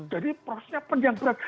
jadi prosesnya penjang berat